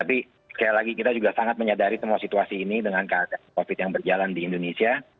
tapi sekali lagi kita juga sangat menyadari semua situasi ini dengan keadaan covid yang berjalan di indonesia